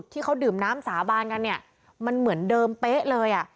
ที่เขาดื่มน้ำสาบานกันเนี่ยมันเหมือนเดิมเป๊ะเลยอ่ะ